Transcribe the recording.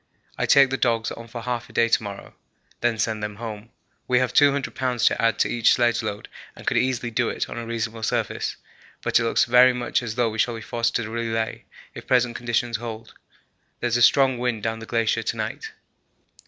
I take the dogs on for half a day to morrow, then send them home. We have 200 lbs. to add to each sledge load and could easily do it on a reasonable surface, but it looks very much as though we shall be forced to relay if present conditions hold. There is a strong wind down the glacier to night.